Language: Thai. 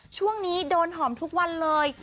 ช่วงนี้โดนหอมทุกวันเลย